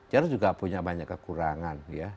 jarod juga punya banyak kekurangan